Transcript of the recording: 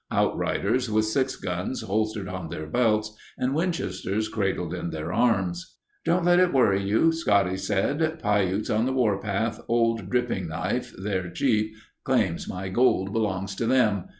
Outriders with six guns holstered on their belts and Winchesters cradled in their arms. "'Don't let it worry you,' Scotty said. 'Piutes on the warpath. Old Dripping Knife, their Chief claims my gold belongs to them.